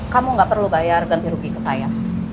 kamu gak perlu bayar ganti rugi ke saya